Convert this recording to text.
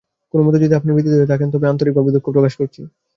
কোনোমতে যদি আপনি ব্যথিত হয়ে থাকেন তবে আন্তরিকভাবে দুঃখ প্রকাশ করছি।